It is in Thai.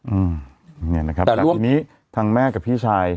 อืมเนี่ยนะครับแต่ทีนี้ทางแม่กับพี่ชาย